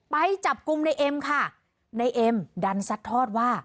ไปจับกลุ่มในเอ็มค่ะในเอ็มดันซัดทอดว่า